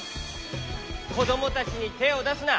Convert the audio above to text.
こどもたちにてをだすな！